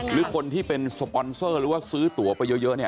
หรือคนที่เป็นสปอนเซอร์หรือว่าซื้อตัวไปเยอะเนี่ย